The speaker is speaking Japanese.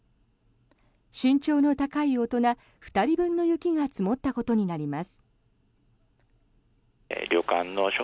身長の高い大人２人分の雪が積もったことになります。